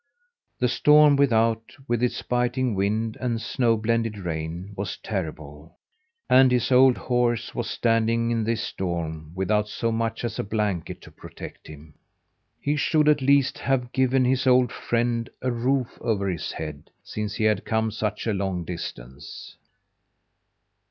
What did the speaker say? The storm without, with its biting wind and snow blended rain, was terrible, and his old horse was standing in this storm without so much as a blanket to protect him! He should at least have given his old friend a roof over his head, since he had come such a long distance.